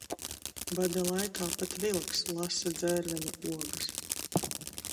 Bada laikā pat vilks lasa dzērveņu ogas.